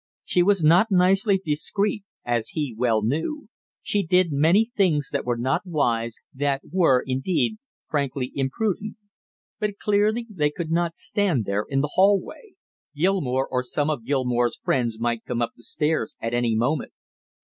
She was not nicely discreet, as he well knew. She did many things that were not wise, that were, indeed, frankly imprudent. But clearly they could not stand there in the hallway. Gilmore or some of Gilmore's friends might come up the stairs at any moment.